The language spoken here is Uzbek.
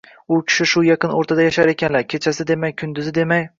U kishi shu yaqin o’rtada yashar ekanlar, kechasi demay, kunduzi